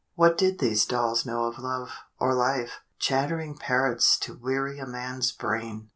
What did these dolls know of love, or life? Chattering parrots to weary a man's brain!